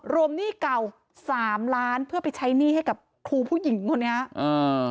หนี้เก่าสามล้านเพื่อไปใช้หนี้ให้กับครูผู้หญิงคนนี้อ่า